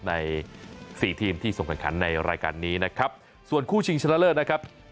ในสี่ทีมที่ส่งแข่งขันในรายการนี้นะครับส่วนคู่ชิงชนะเลิศนะครับ